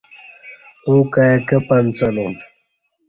اوں کائ کہ پنڅہ لوم